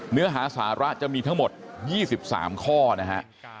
เนื้อหาสาระจะมีทั้งหมดยี่สิบสามข้อนะฮะ